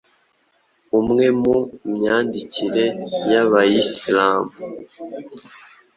Imwe mu myambarire y’abayislam